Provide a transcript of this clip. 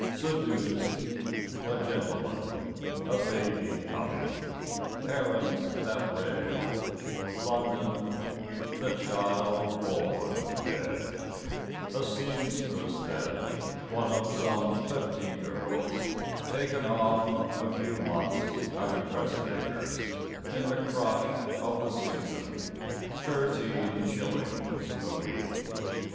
Seduced; a gentleman; a baby coming; Parents that railed; London; the child born dead; A seamstress then, one of some fifty girls "Taken on" a few months at a dressmaker's In the crush of the "season;" thirteen shillings a week!